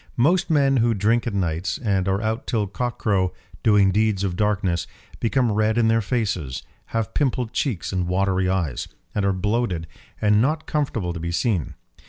Most men who drink at nights, and are out till cockcrow doing deeds of darkness, become red in their faces, have pimpled cheeks and watery eyes, and are bloated and not comfortable to be seen.